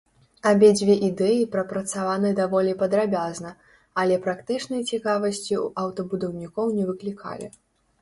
Абедзве ідэі прапрацаваны даволі падрабязна, але практычнай цікавасці ў аўтабудаўнікоў не выклікалі.